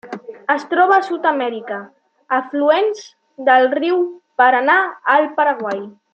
Es troba a Sud-amèrica: afluents del riu Paranà al Paraguai.